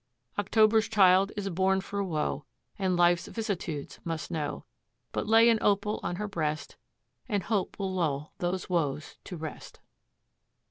October's child is born for woe And life's vicissitudes must know; But lay an Opal on her breast And Hope will lull those woes to rest.